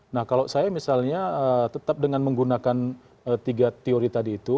nah kalau saya misalnya tetap dengan menggunakan tiga teori tadi itu